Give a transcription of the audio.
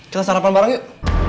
kita sarapan bareng yuk